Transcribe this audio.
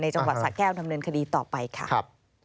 จังหวัดสะแก้วดำเนินคดีต่อไปค่ะ